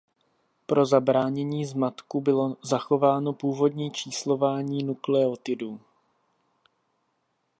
Pro zabránění zmatku bylo zachováno původní číslování nukleotidů.